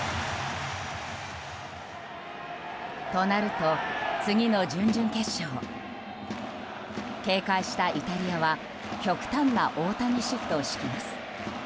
となると、次の準々決勝警戒したイタリアは極端な大谷シフトを敷きます。